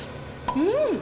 うん！